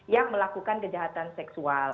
yang melakukan kejahatan seksual